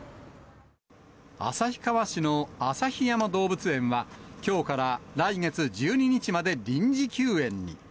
旭川市の旭山動物園は、きょうから来月１２日まで臨時休園に。